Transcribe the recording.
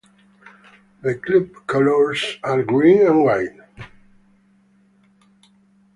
The club colours are green and white.